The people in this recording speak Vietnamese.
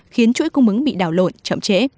khiến chuỗi cung ứng bị đảo lộn chậm trễ